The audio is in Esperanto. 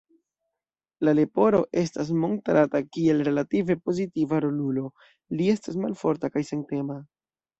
La Leporo estas montrata kiel relative pozitiva rolulo, li estas malforta kaj sentema.